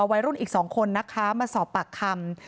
วัยรุ่นอีก๒คนนะคะมาสอบปากคำ